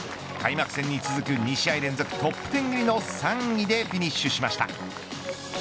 開幕戦に続く２試合連続トップ１０入りの３位でフィニッシュしました。